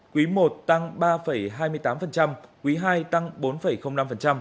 quý i tăng ba hai mươi tám quý ii tăng bốn năm